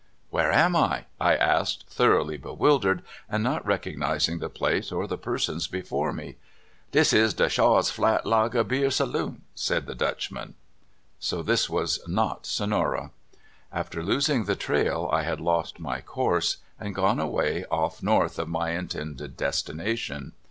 *' Where am I?" I asked, thoroughly bewil dered, and not recognizing the place or the per sons before me. Dis is de Shaw's Flat Lager Beer Saloon," said the Dutchman. So this was not Sonora. After losing the trail I had lost my course, and gone away off north of my intended destination.